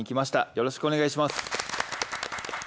よろしくお願いします。